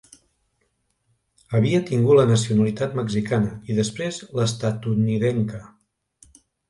Havia tingut la nacionalitat mexicana i després l'estatunidenca.